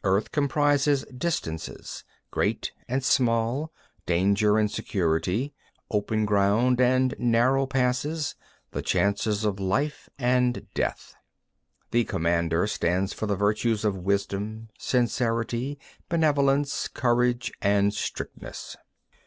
8. Earth comprises distances, great and small; danger and security; open ground and narrow passes; the chances of life and death. 9. The Commander stands for the virtues of wisdom, sincerity, benevolence, courage and strictness.